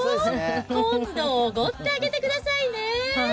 今度、おごってあげてくださいね。